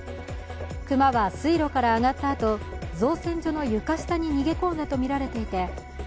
熊は水路から上がったあと、造船所の床下に逃げ込んだとみられていてプシュ！